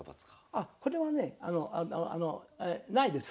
あこれはねないです。